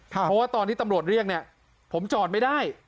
เพราะว่าตอนที่ตำรวจเรียกเนี่ยผมจอดไม่ได้